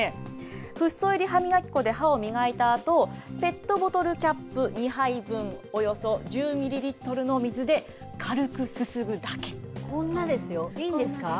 フッ素入り歯磨き粉で歯を磨いたあと、ペットボトルキャップ２杯分、およそ１０ミリリットルの水で軽くこんなですよ、いいんですか。